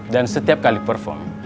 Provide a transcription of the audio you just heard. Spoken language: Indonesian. dan setiap kali perform